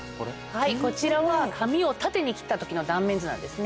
はいこちらは髪を縦に切った時の断面図なんですね。